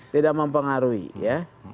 tidak mempengaruhi ya